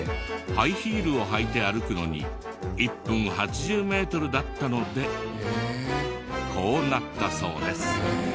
ハイヒールを履いて歩くのに１分８０メートルだったのでこうなったそうです。